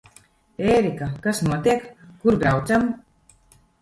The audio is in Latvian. Ērika, kas notiek? Kur braucam?